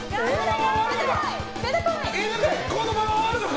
このまま終わるのか！